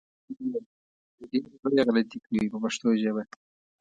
ډېره لویه غلطي کوي په پښتو ژبه.